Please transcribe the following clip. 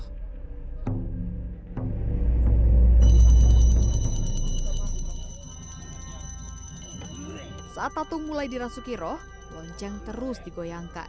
saat tatung mulai dirasuki roh lonceng terus digoyangkan